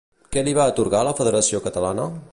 Què li va atorgar la Federació Catalana?